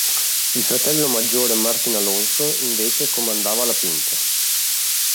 Il fratello maggiore Martín Alonso, invece, comandava la "Pinta".